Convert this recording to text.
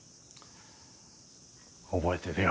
覚えてるよ。